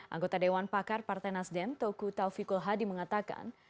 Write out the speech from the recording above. anggota dewan pakar partai nasdem toku taufikul hadi mengatakan